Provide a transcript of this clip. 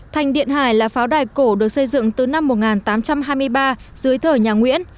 thành điện hải là pháo đài cổ được xây dựng từ năm một nghìn tám trăm hai mươi ba dưới thở nhà nguyễn